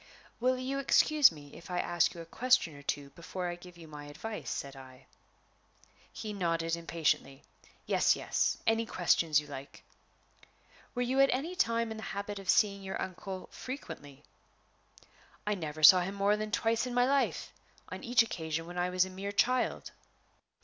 "Will you excuse me if I ask you a question or two before I give you my advice?" said I. He nodded impatiently. "Yes, yes any questions you like." "Were you at any time in the habit of seeing your uncle frequently?" "I never saw him more than twice in my life on each occasion when I was a mere child."